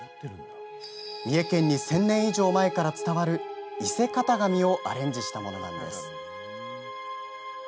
三重県に１０００年以上前から伝わる伊勢型紙をアレンジしたものなんです。